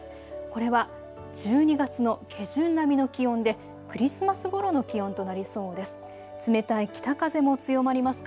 これは１２月の下旬並みの気温でクリスマスごろの気温となりそうです。